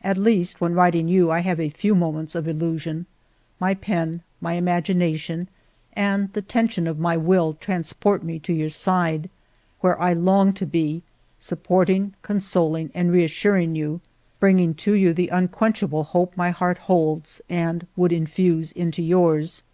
At least when writing you I have a few moments of illusion ; my pen, my imagination, and the tension of my will transport me to your ALFRED DREYFUS 243 side, where I long to be, supporting, consoling, and reassuring you, bringing to you the unquenchable hope my heart holds and would infuse into yours.